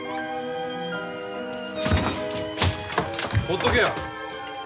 放っとけよ。